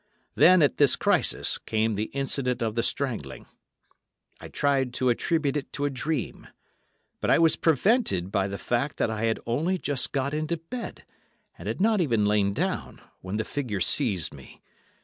Then, at this crisis, came the incident of the strangling. I tried to attribute it to a dream, but I was prevented by the fact that I had only just got into bed, and had not even lain down, when the figure seized me.